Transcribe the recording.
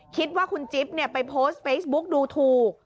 คิดว่าคุณจิ๊บไปโพสต์เฟซบุ๊กดูถูก